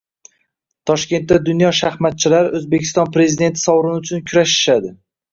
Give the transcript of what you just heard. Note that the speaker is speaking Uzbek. Toshkentda dunyo shaxmatchilari O‘zbekiston Prezidenti sovrini uchun kurashishading